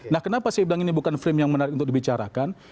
nah kenapa saya bilang ini bukan frame yang menarik untuk dibicarakan